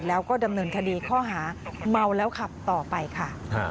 แล้วก็ดำเนินคดีข้อหาเมาแล้วขับต่อไปค่ะ